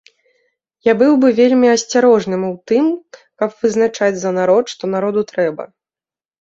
Я быў бы вельмі асцярожным ў тым, каб вызначаць за народ, што народу трэба.